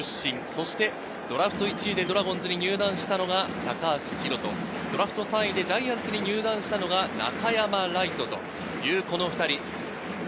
そしてドラフト１位でドラゴンズに入団したのが高橋宏斗、ドラフト３位でジャイアンツに入団したのが中山礼都。